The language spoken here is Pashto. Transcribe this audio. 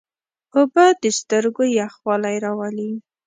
اوبه د سترګو یخوالی راولي.